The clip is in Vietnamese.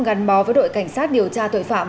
gắn bó với đội cảnh sát điều tra tội phạm